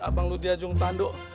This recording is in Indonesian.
abang lo diajung tanduk